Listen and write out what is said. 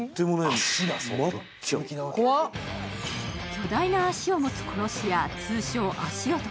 巨大な足を持つ殺し屋通称・足男。